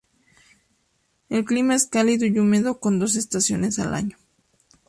El clima es cálido y húmedo, con dos estaciones al año.